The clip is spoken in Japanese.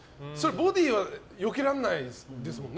ボディーはよけられないですもんね。